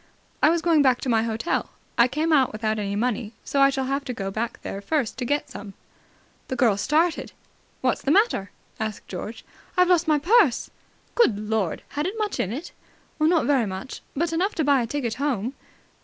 "I was going back to my hotel. I came out without any money, so I shall have to go there first to get some." The girl started. "What's the matter?" asked George. "I've lost my purse!" "Good Lord! Had it much in it?" "Not very much. But enough to buy a ticket home."